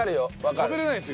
食べれないんですよ？